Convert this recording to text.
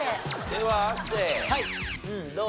では亜生どう？